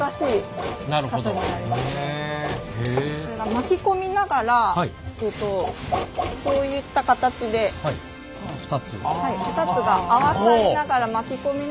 巻き込みながらこういった形で２つが合わさりながら巻き込みながら縫っていると。